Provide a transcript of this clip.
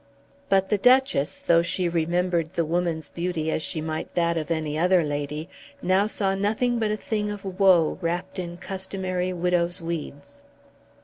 But the Duchess, though she remembered the woman's beauty as she might that of any other lady, now saw nothing but a thing of woe wrapped in customary widow's weeds.